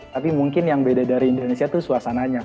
tapi mungkin yang beda dari indonesia itu suasananya